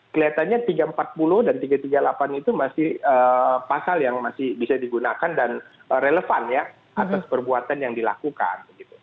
kelihatannya tiga ratus empat puluh dan tiga ratus tiga puluh delapan itu masih pasal yang masih bisa digunakan dan relevan ya atas perbuatan yang dilakukan